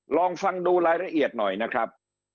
ลองฟังดูรายละเอียดหน่อยนะครับ